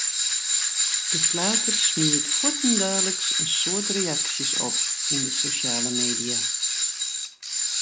De flater smiet fuortendaliks in soad reaksjes op yn de sosjale media.